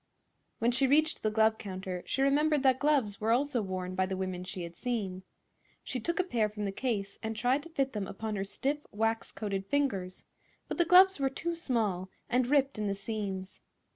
When she reached the glove counter she remembered that gloves were also worn by the women she had seen. She took a pair from the case and tried to fit them upon her stiff, wax coated fingers; but the gloves were too small and ripped in the seams.